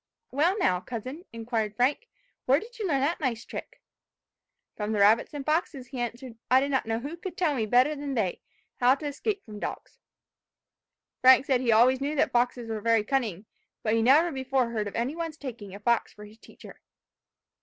"Well, now, cousin," inquired Frank, "where did you learn that nice trick?" "From the rabbits and foxes," he answered. "I did not know who could tell me better than they, how to escape from dogs." Frank said he always knew that foxes were very cunning, but he never before heard of any one's taking a fox for his teacher.